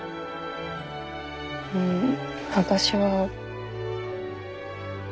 うん私は。